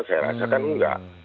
saya rasakan enggak